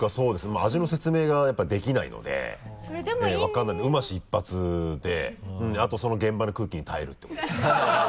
まぁ味の説明がやっぱりできないので分からないので「うまし」一発であとその現場の空気に耐えるってことですかね。